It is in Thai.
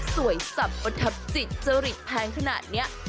สับประทับจิตจริตแพงขนาดนี้